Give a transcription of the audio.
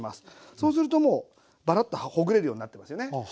そうするともうバラッとほぐれるようになってますよね。